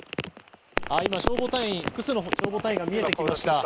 複数の消防隊員が見えてきました。